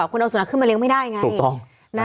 คุณเอาสุนัขขึ้นมาเลี้ยงไม่ได้ไงตรงต้องนะครับ